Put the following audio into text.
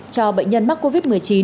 cho bệnh nhân mắc covid một mươi chín